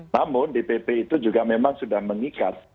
namun di pp itu juga memang sudah mengikat